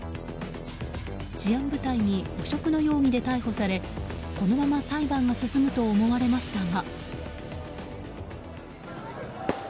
治安部隊に汚職の容疑で逮捕されこのまま裁判が進むと思われましたが。